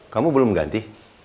kamu belum ganti